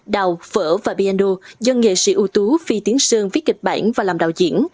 đào phở và piando do nghệ sĩ ưu tú phi tiến sơn viết kịch bản và làm đạo diễn